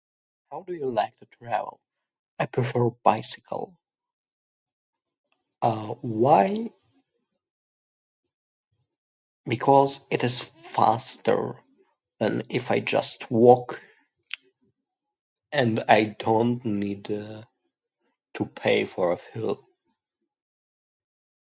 How do you like to travel? I prefer bicycle. Uh, why? Because it is faster than if I just walk, and I don't need to to pay for a fare.